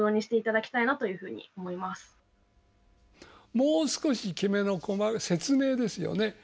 もう少しきめの細かい説明ですよね。